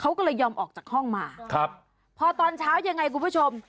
เขาก็เลยยอมออกจากห้องมาครับพอตอนเช้ายังไงคุณผู้ชม